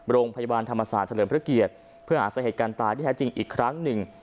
โรงพยาบาลธรรมศาสตร์เฉลิมพระเกียรติเพื่อหาสาเหตุการณ์ตายที่แท้จริงอีกครั้งหนึ่ง